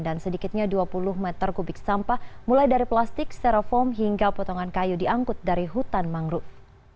dan sedikitnya dua puluh meter kubik sampah mulai dari plastik sterofoam hingga potongan kayu diangkut dari hutan mangrove